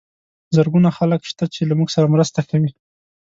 زرګونه خلک شته چې له موږ سره مرسته کوي.